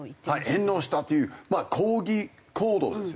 返納したという抗議行動ですよね。